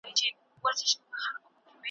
چي ناهیده پکښی سوځي چي د حق چیغه زیندۍ ده `